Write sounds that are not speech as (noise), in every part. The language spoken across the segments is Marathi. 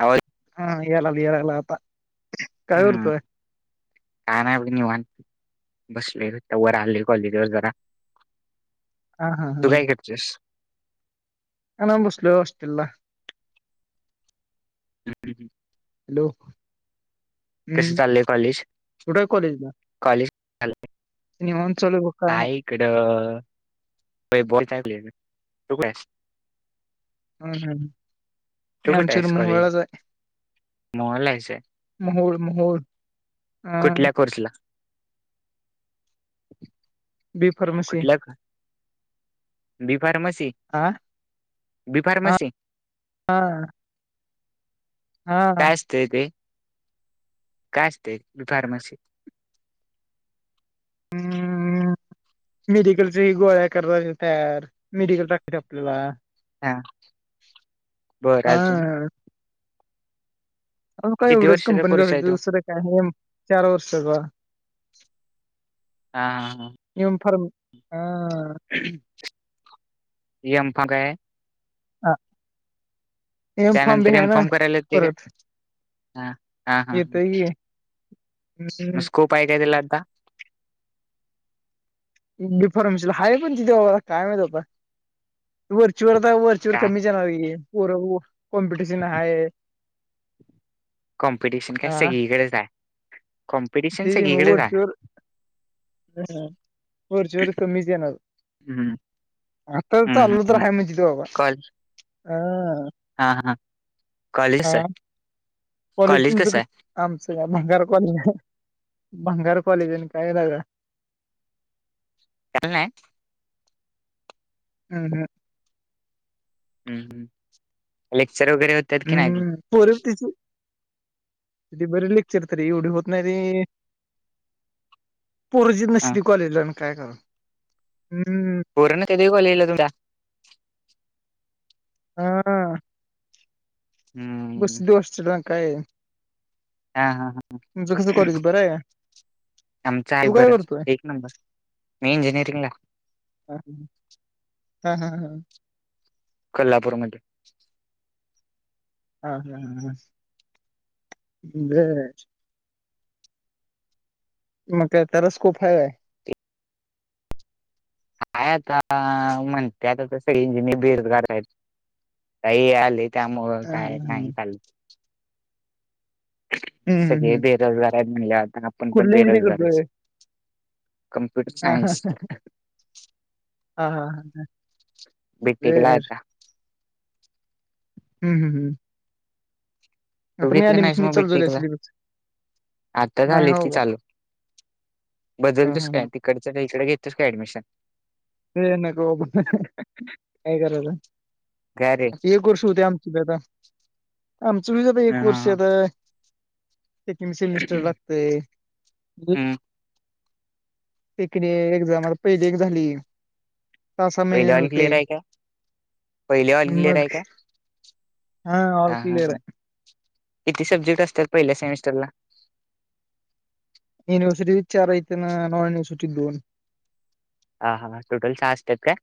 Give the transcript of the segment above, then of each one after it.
ह हा येला येलाला आता काय हम्म करतोय काण अडीनी वान बसले त्या वर आले कॉलेजवरर जरा हा हा तू काय खटचस आना बसले वासला ह हम हॅलो कसं हम् चाललंय कॉलेज तटय कॉलेज ना आकडं बोलताय तकस हम ह म आमच्या र मोहळाच आहे मलायच आहे मोहोळ मोहोळ हा कुठल्या कोर्सला (inaudible) ब फारमाेशी कुठल्या बी फारमसी बी हा फारमासी हा हा काय असतय ते काच ते बिफार मस ह मेडिकलच्या ह गोळ्या क तयार मेडिकल टाकाच आपल्याला हा बरं हा अजून अं काय किती एवढंच वर्षाचा कोर्स कंपनी आहे तो दुसरं काय आहे चार वर्षचा हा हा हा हा ये अमफ काय ह ए फॉर्म त्यानंतर भ आहे एम ना फार्म करायला येतंय काय परत हा हा हा हा येत ही मग स्कोप आहे काय त्याला आता िफॉर्म्सला आहेा पण तिथे बाला काय मिळत हो प वर वर वरची व काय कमी जाणार पर कॉम्पिटिशन आहेा कॉम्पिटिशन काय सगळीकडेच आहे त कॉम्पिटिशन सगळीकडेच मुर आहे. चोर होर जोर कमी येणार हम्म आता तर हम्म हम्म चाल् हम्म. तर हे म्हचितव बावा कॉल हह हा हा कॉलेस आहे कॉलेज तुमच कस आमचं भंगार कॉलेज भंगार कॉलेज आणि काय दग चलणे हम् हम् हम्म हम्म अ हम्म पोर तिची तिथे बर लेक्चर त एवढे होत नाही र पोरजी ह नसरी कॉलेजला आणि काय करण पोराण ते कोलेल तुमच्या हा बस हम्म दो वाष्ट काय हा हा हा तुमच कसं कॉलेज बरं आहे का? आमचं आई बरं एक नंबर मी इंजिनिअरिंगला हा ह हा हा हा कोल्हापूरमध्ये हा हा ह ह ब मग काय तेरस्कोप ह काय आता म्हणते आता त स इंजिनीअर बेरोजगार आहेत काही आली त्यामुळं हा हा हा काय नाही चाल हम्म हम्म सगळे हम्म. बेरोजगार आहेत म्हणले आता आपण पण कुठलं इंजिनिअरिंग बेरोजगारच करतोय? कमप्युटर हा हा सायंस हा हा हा ह बीटेकला बर आता हम्म हम्म हम्म तू आता मी घेतला नाहीस ऍडमिशन म चालू झाली बीटेकला सिलेबस आता नाही झाले हो की बा चालू हा बदलतोस हा हा काय तिकडच इकडे घेतोस का ऍडमिशन ते नक बाबा काय गरज काय रे आहे एक गोष्ट आमची बता आम चुसात हा हा हा. वर्षाद सेकंड सेमिस्टर लागतय हम्म पिकने एक ज मला पहिली एक झाली सहा सहा पहिले महिने ऑल हुते क्लिअर आहे का पहिले ऑल क्लिअर मग आहे का हा ऑल हा किलेर हा. आहे किती सब्जेक्ट असतात पहिल्या सेमिस्टरला युनिवर्सिटीची चार इथ ना नॉन युनिवर्सिटी दोन हा हा टोटल साह असतात काय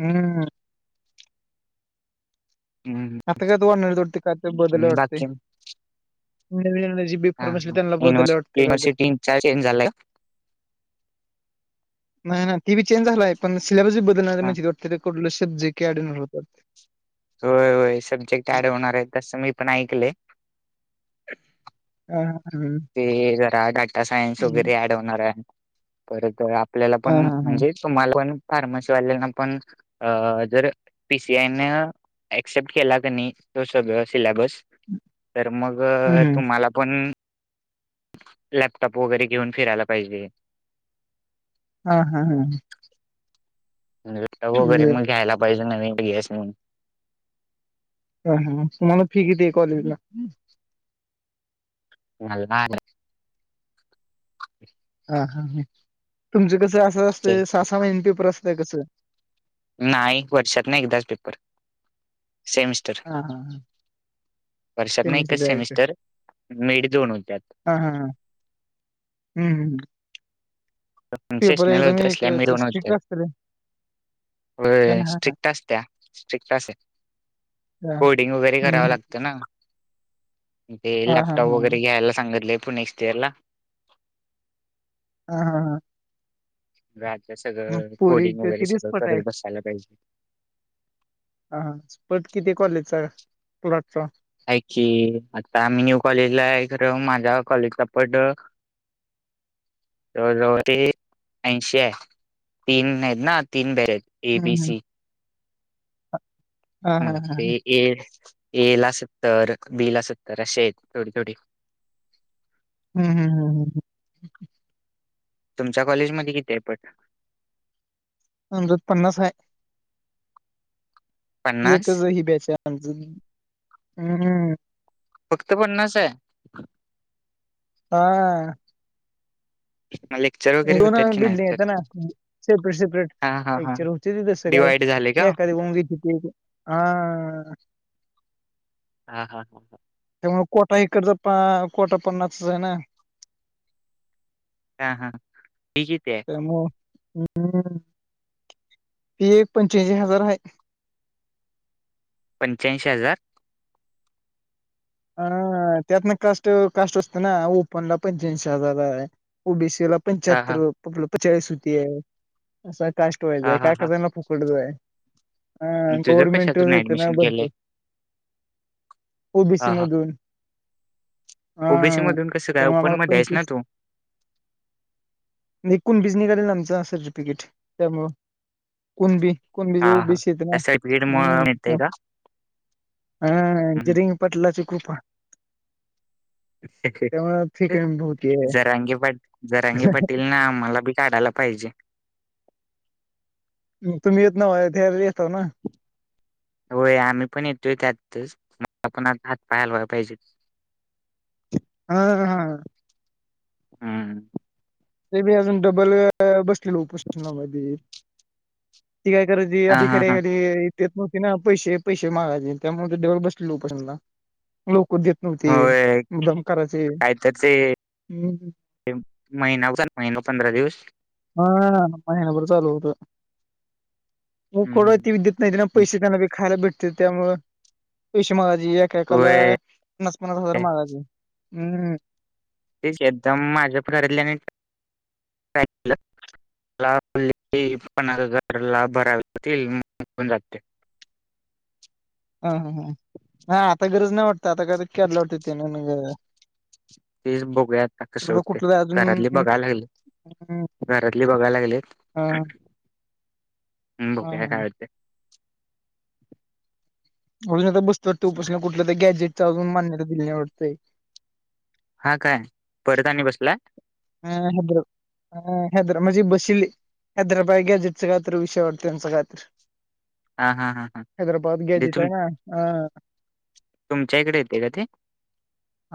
हम्म हम्म हम्म. आता काय तुम्हाला आवडते काय ते बदल हम्म, वाटते? बाकी किती बि हा फरक असेल हा त्यांना बदल युनिव्हर्स वाटते काही तर- युनिव्हर्सिटी इन्चार्ज चेंज झालाय का? नाही ना ते बी चेंज झालाय पण सिलेबस च बदलणार हा. म्हणजे कुठले सब्जेक्ट ऍड होतात - होय होय सब्जेक्ट ऍड होणार आहे तस मी पण ऐकले. हा, हा, हा. ते जरा डाटा सायन्स वगैरे ऍड होणार आहे परंत आपन- आपल्याला हा, पण हा, हा. म्हणजे तुम्हाला पण- फार्मसी वाल्या ना पण अ जर पी सी आय ना- अक्सेप्ट केला त्यांनी तो सगळं सिलेबस तर मग हम्म, तुम्हाला पण- लॅपटॉप वगैरे घेऊन फिरायला पाहिजे. हा हा हा ह... लॅपटॉप वगैरे मग घ्यायला पाहिजे नवीन ग्रीस म्हणून- हा हा तुम्हाला फि किती आहे कॉलेज ला? मला- हा हा ह तुमचं कसं असं असतय सहा सहा महि पेपर असतय कसं- नाही एक वर्षात एकदाच पेपर. सेमिस्टर हा, हा, हा. वर्षातनं एकच सेमिस्टर पण मेडी दोन होते. हा हा... ह हम्म हम्म... पेपर सेशनल एकदम होत असल्या एक स्ट्रिक्ट असते रे. हा, व्हय हा, हा. स्ट्रिक्ट असत्या स्ट्रिक्ट च आहे. हा कोडिंग वगैरे करावं हम्म, लागतं ना? पण तेे हा, हा, लॅपटॉप वगैरे हा. घ्यायला सांगितले पुन्हा नेक्स्ट इयर ला- हा हा हा... बॅक ला मग सगळं पोरी कोडिंग वगैरे किती सगळं स्पट आहे करत बसायला पाहिजे. हा पट किती कॉलेज चा प्लॉट चा- आहे की आता आम्ही न्यू कॉलेजला खर माझ्या कॉलेजचा पट- (unintelligible) जवळ जवळ ते ऐंशी आहे तीन आहेत ना तीन बेरेट - ए हम्म बी हम्म सी- हा हा ह्म्म हा तेे हा एक्स, झेड- ए ला सत्तर, बी ला सत्तर असे आहेत थोडी थोडी- हम् हम् हम् हम्... तुमच्या कॉलेज मध्ये किती आहे पट? जवळजवळ पन्नास आहे. पन्नास एकच ही बेस म्हणजे हम्म- फक्त पन्नास आहे- हा... (unintelligible) दोन होतात की नाही बिल्डिंग येत तर ना सेपरेट सेपरेट हा हा हा एकच्या रुम चि तसं डिवाइड झाले का काय- क ऊंगीती हा (unintelligible) हा हा हा हा... मग कोटा इकडचा पा कोटा पन्नाचाच आहे ना- हा हा फी किती आहे- त्यामुळं हम्म... एक पंचाऐंशी हजार आहे. पंच्याऐंशी हजार- ह त्यातन कास्ट कास्ट असते ना ओपन ला पंचऐंशी हजार आहे ओ बी सी- हा हा पंच्यात्तर पंचेचाळीस होती अस आहे. काष्ट वाइज आहे हां, हां, काही हां. कास्ट ला फुकट आहे हा अन् तुझं गव्हर्न्मेंट कशातून देते ना ॲडमिशन भरती केलंय? ओ बी सी - हां, हां. मधून- ओबीसी हा. मधून कसे काय तेव्हा ओपन आम्हाला मधे आहेस ना पंचवीस तू? नाही कुणबीच निघालेल, आमचा सर्टिफिकेट त्यामुळं कुणबी. कोण बीजव उ हां, हां. बीसेत ना त्या सर्टिफिकेटमुळं हम्म मिळतंय का? (unintelligible) हा हं, हं, जरींग पाटलाच खूप ह- होतीये जरांगी पाट- जरांगी पाटीलन आम्हाला बी काढायला पाहिजे. तुम्ही येत नाव (unintelligible) हा येत ना होय आम्ही पण येतोय त्यातच, मला पण आता हात पाय हालवाय पाहिजेत. ह. (inaudible) हा, हा, हा, हम्म. ते बी अजून डबल बसले लोपोस् म- ती काय करजी हां, अधी हां, हां. खर्याली (unintelligible) ते नव्हते ना पैसे पैसे मागायचे त्यामुळे वळ बसले लोप (unintelligible) ु देत होय, नव्हतेधम काचे काय तर ते ह् (unintelligible) महिना महिना, पंधरा दिवस. हा महीना बर चालू होत. मग हं, हं, कोडत विद्यत नाही त्यांना हं. पैसे त्यांना खायला भेटतेत, त्यामुळ पैसे मागय एकेएकाला होय, पन्नास-पन्नास हजार मागायच. तेच एकदम माझ्या घरल्याने टाय केलं (unintelligible) पणा घरला भरावेतील जात (unintelligible) (inaudible) ह, ह, ह, हा, आता गरज नाही वाटत आता काय ते कढला वाटत ते. तेच बघूयात ना, कसे होतय, अजून घरातले बघायला लागलेत. ह घरातले बघायला लागलेत. बघुया काय ह होतय. अजून आता बसतय वाटत, उपासून कुठलं तर गॅजेटचा अजून मान्यता दिली नाही वाटतंय? हा काय परत आणि बसलाय? हा हू (unintelligible) अ.. हैदरा म्हणजे बसिली हैदराबाद गँजेटच कायतर विषय त्यांचा कायतर.? हा हा हा हा हैदराबाद ते गँजेट तुम हाय ना.. हा.. तुमच्या इकडे येते का ते?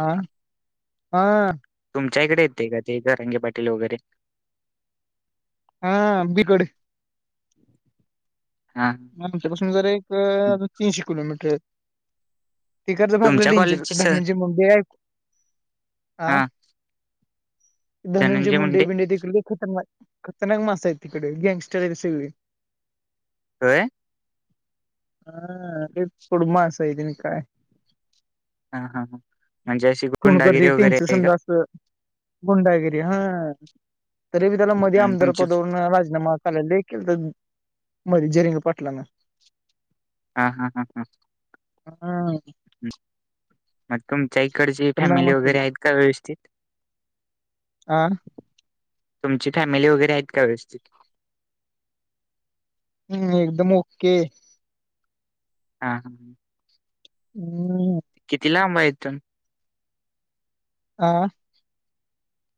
आा हा (unintelligible) तुमच्या इकडे येते का? तें जरांग पाटील वगैरे? हा बीकडे (unintelligible) हा आमच्यापासून जरा एक, तीनशे किलोमीटर. तिक तर तुमच्या भागलं ंचर कॉलेजचे सर धणींचे मु क हा (unintelligible) धनंजय मुंडे बिंडे ते इकडच का खतरनाक खतरनाक मासा आहेत, तिकडे गँगस्टर आहे सगळी. काय? हा अे कुड मासा आहेन काय (unintelligible) हा, हा, हा, म्हणजे अशी खणकरची गुंडागिरी वगैरे तीनच आहे का संमधास गुंडागिरी हा (unintelligible) तरीबी त्याला मध्ये आमदार तुमची पदावरून राजीनामा (unintelligible) देखील तर मधी जरींग पाटलन. हा हा, हा, हा हा, च्या इकडची खतरनाक फॅमिली माणसं वगैरे आहेत का व्यवस्थित? हा तुमची फॅमिली वगैरे आहेत का व्यवस्थित? हम्म, एकदम ओके. हा हा, ह. हम्म किती लांब आहे इथून हह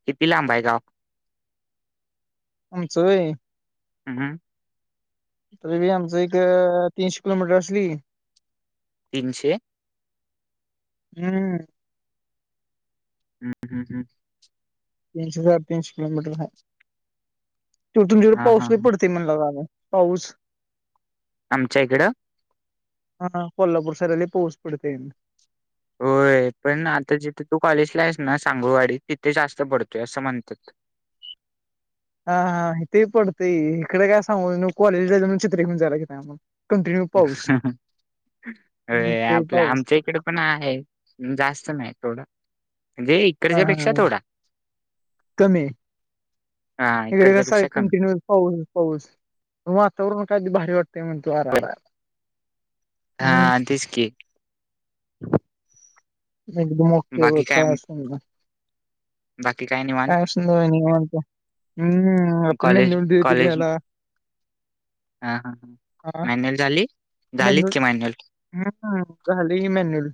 किती लांब आहे गाव आमच हम्म हम तरी बी आमचं एक तीनशे किलोमीटर असली तीनशे हम्म हम्म हम्म हम्म तीनशे साडे तीनशे किलोमीटर ह तेवटून जवढे हा हा पाऊसही हा पडते म्हणला लावे पाऊस आमच्या इकडं हा कोल्हापूर सैरले पोस पडतेन होय पण आता जिथे तू कॉलेजला आहेस ना सांगुळवाडीत तिथे जास्त पडतोय असं म्हणतात (unintelligible) हा हां ईथे पडतंय इकडे काय सांगूच नको कॉलेजला जायच म्हणजे छत्री घेऊन जायला लागत नाय आम्हाला न्यू पाऊस हम्म अरे ते आपल्या पाऊस आमच्या इकडे पण आहे जास्त नाही थोडं म्हणजे हा इकडच्या हा पेक्षा थोडा कमी हा हिकडं कसं हाय इकडच्यापेक्षा कमी. कंटिन्यू पाऊस पाऊस वातावरण काय भारी वाटतं होय हम्म हां तेच की एकदम ओके व बाकी काय मग? आस (inaudible) बाकी काय निवांत का असं निवांत हम् आपण कॉलेज कॉलेज (inaudible) हा हा ह मॅन्युअल झाली. झालीत मेन्युल की मॅन्युअल हम हली ह मॅन्युल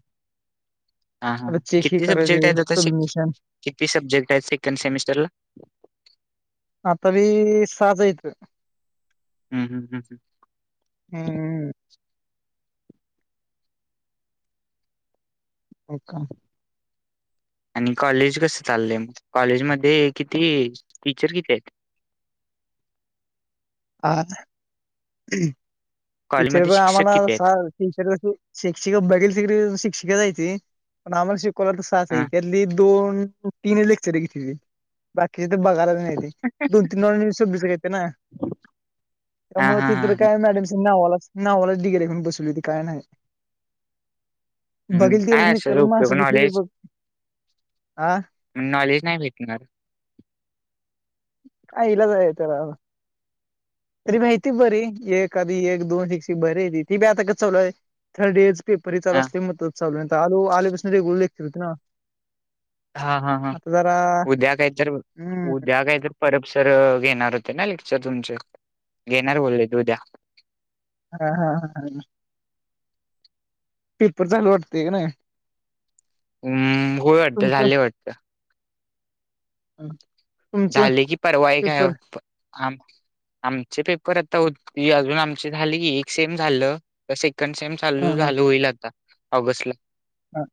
हा हा किती सब्जेक्ट आहेत आता शिक सबमिशन. किती सब्जेक्ट आहेत शिक क सेमिस्टरला हा तरी साज येतं हम्म हम्म हम् हम् हं, हो का आणि कॉलेज कसं चाललंय मग कॉलेज मध्ये किती टीचर किती आहेत आ कॉलेजमध्ये इतर शिक्षक किती आहेत आम्हाला शिक्षिक बघेल शिक्ष (inaudible) शिका जायची पण आम्हाला शिकवला तस ह असायची दोन तीन लेक्चर घेतलेली. बाकी बघायला नाहीे ते दोन तीन (inaudible) येते ना हा त्यामुळं हा हा तितर ह काय मॅडम नावालाच नावालाच डिग्री घेऊन बसवली होती काय नाही बघेल काय असेल उपयोग तिकडे (inaudible) आ म नॉलेज नाही भेटणार काय इलाज आहे त्याला तरी माहिती बरी एक आधी एक दोन शिक्षिक बर त ती बी आता का चल थर्ड ईअर टेम्पलरी चालू ह असल्यामुळे महत्त्वाच चालू नाहीतर आज आल्यापासून रेग्युलर लेक्चर होते ना. हा हा हा आता जरा उद्या काही तर हम्म उद्या काही तर परबसर घेणार होते ना सर् तुमचे घेणार बोललेत द्या हा हा हा हा पेपर झालं वाटतेय कनाय? हम्म होय वाटतं झाले वाटत. हम झाले की परवा एक हाय वा हां मग आमचे पेपर आता हो अजून आमची झाले एक सेम झालं तसं एक (inaudible) सेम चालू झाल होईल आता ऑगस्ट ला. हम